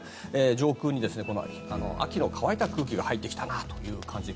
上空に秋の乾いた空気が入ってきた感じで。